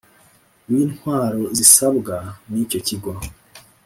W intwaro zisabwa n icyo kigo